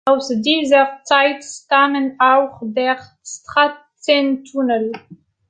Aus dieser Zeit stammt auch der Straßentunnel.